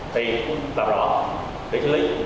thì làm rõ để xử lý